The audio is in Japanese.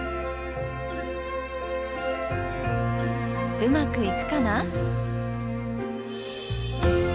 うまくいくかな？